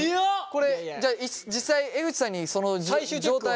これじゃあ実際江口さんにその状態